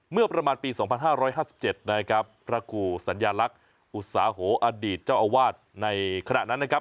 เมื่อประมาณปี๒๕๕๗นะครับพระครูสัญลักษณ์อุตสาโหอดีตเจ้าอาวาสในขณะนั้นนะครับ